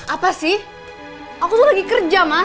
apa sih aku lagi kerja mas